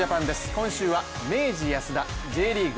今週は明治安田Ｊリーグ